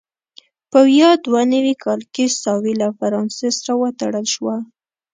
په ویا دوه نوي کال کې ساوې له فرانسې سره وتړل شوه.